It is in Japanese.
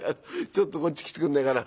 ちょっとこっち来てくんないかな。